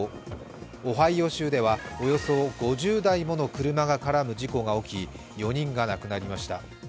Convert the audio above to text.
オハイオ州ではおよそ５０台もの車が絡む事故が起き４人が亡くなりました。